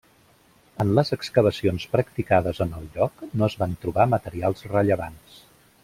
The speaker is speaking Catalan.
En les excavacions practicades en el lloc no es van trobar materials rellevants.